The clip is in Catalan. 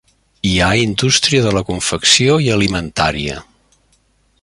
Hi ha indústria de la confecció i alimentària.